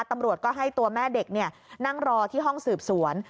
ตำรวจก็ให้ตัวแม่เด็กนั่งรอที่ห้องสืบสวน